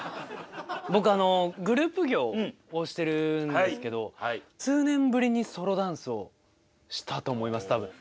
僕グループ業をしてるんですけど数年ぶりにソロダンスをしたと思いますたぶん。